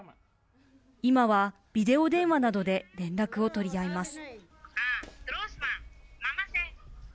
今はビデオ電話などで連絡を取り合います。